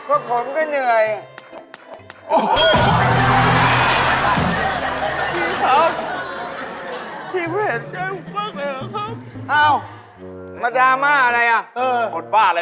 เออค่ะนั่น